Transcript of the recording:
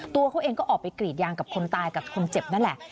ตัวเขาเองก็ออกไปกรีดยางกับคนตายกับคนเจ็บนั่นแหละ